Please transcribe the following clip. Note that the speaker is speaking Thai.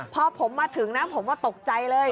พอผมมาถึงนะผมก็ตกใจเลย